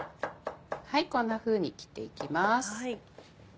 こんなふうに切っていきます。